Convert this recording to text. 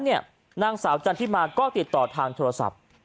นางสาวจันทิมาก็ติดต่อทางโทรศัพท์